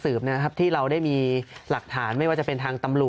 เพราะถ้าเข้าไปอ่านมันจะสนุกมาก